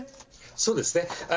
そうですね。